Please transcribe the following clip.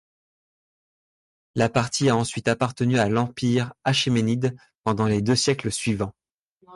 La Parthie a ensuite appartenu à l'Empire achéménide pendant les deux siècles suivants.